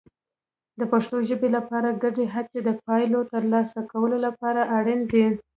د پښتو ژبې لپاره ګډې هڅې د پایلو ترلاسه کولو لپاره اړین دي.